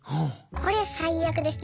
これ最悪ですね。